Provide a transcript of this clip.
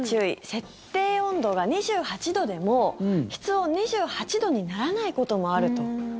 設定温度が２８度でも室温２８度にならないこともあると。